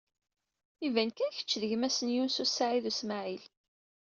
Iban kan kecc d gma-s n Yunes u Saɛid u Smaɛil.